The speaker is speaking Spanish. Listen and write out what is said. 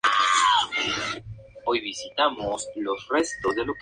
El partido que abría las series finales se disputó en The Forum de Inglewood.